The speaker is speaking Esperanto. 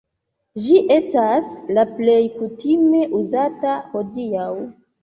Ĝi estas la plej kutime uzata hodiaŭ.